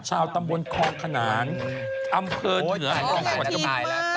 เอาตามบนคอมขนางอำเภอเหนืออ๋ออย่างนั้นตายแล้ว